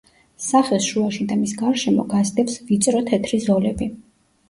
სახეს შუაში და მის გარშემო გასდევს ვიწრო თეთრი ზოლები.